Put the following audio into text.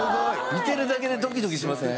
見てるだけでドキドキしません？